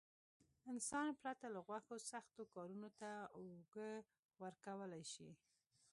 انسان پرته له غوښو سختو کارونو ته اوږه ورکولای شي.